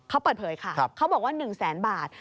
เขาเปิดเผยค่ะเขาบอกว่า๑แสนบาท